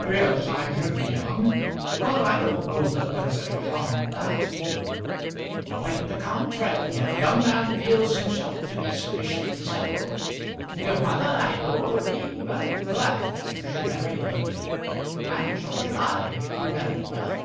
"Yes, I should be young; but I don't know that there is any harm in that." "Quite the contrary, if a young man feels himself to be sufficiently settled. Your mother I know would be very glad that you should marry early; and so should I, if you married well."